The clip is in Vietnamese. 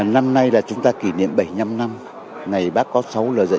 năm nay là chúng ta kỷ niệm bảy mươi năm năm ngày bác có sáu lời dạy